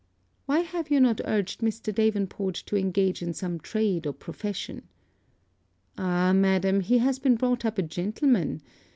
'Why have you not urged Mr. Davenport to engage in some trade or profession?' 'Ah, madam, he has been brought up a gentleman.